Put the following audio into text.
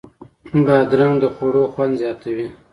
بادرنګ د خوړو خوند زیاتوي.